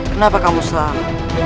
kenapa kamu salah